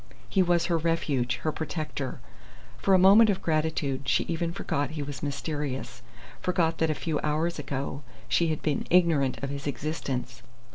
He was her refuge, her protector. For a moment of gratitude she even forgot he was mysterious, forgot that a few hours ago she had been ignorant of his existence.